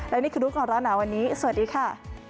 และนี่คือรู้ก่อนร้อนหนาวันนี้สวัสดีค่ะ